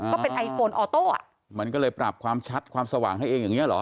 ก็เป็นไอโฟนออโต้อ่ะมันก็เลยปรับความชัดความสว่างให้เองอย่างเงี้เหรอ